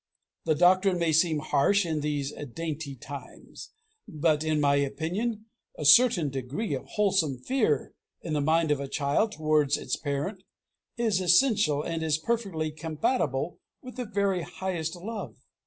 The doctrine may seem harsh in these dainty times. But, in my opinion, a certain degree of wholesome fear in the mind of a child towards its parent, is essential, and is perfectly compatible with the very highest love.